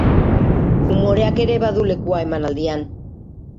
Umoreak ere badu lekua emanaldian.